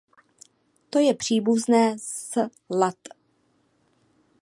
To je příbuzné s lat.